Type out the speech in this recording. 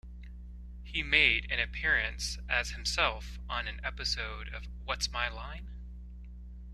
He made an appearance as himself on an episode of What's My Line?